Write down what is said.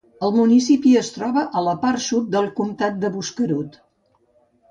El municipi es troba a la part sud del comtat de Buskerud.